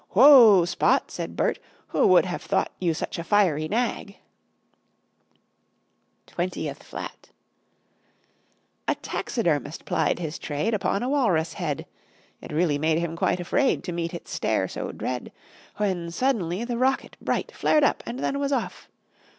"Whoa, Spot!" said Burt. "Who would have thought You such a fiery nag!" [Illustration: NINETEENTH FLAT] TWENTIETH FLAT A taxidermist plied his trade Upon a walrus' head. It really made him quite afraid To meet its stare so dread. When suddenly the rocket, bright, Flared up and then was off!